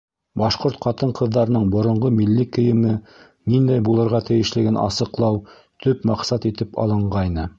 Башҡорт ҡатын-ҡыҙҙарының боронғо милли кейеме ниндәй булырға тейешлеген асыҡлау төп маҡсат итеп алынғайны.